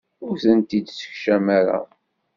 Ur tent-id-ssekcam ara.